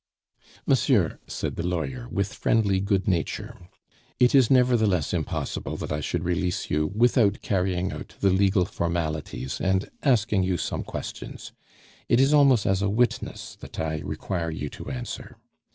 "Monsieur," said the lawyer, with friendly good nature, "it is nevertheless impossible that I should release you without carrying out the legal formalities, and asking you some questions. It is almost as a witness that I require you to answer.